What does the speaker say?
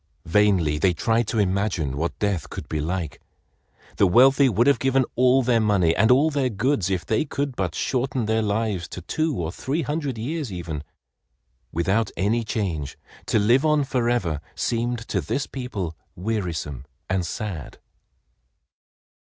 Vainly they tried to imagine what death could be like. The wealthy would have given all their money and all their goods if they could but shorten their lives to two or three hundred years even. Without any change to live on forever seemed to this people wearisome and sad.